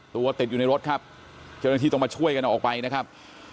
ตัวติดอยู่ในรถครับเจ้าหน้าที่ต้องมาช่วยกันเอาออกไปนะครับ